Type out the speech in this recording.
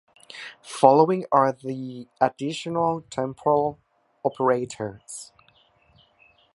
Following are the additional temporal operators.